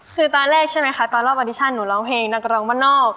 คือตอนแรกใช่ไหมคะตอนรอบออดิชั่นหนูร้องเพลงนักร้องบ้านนอก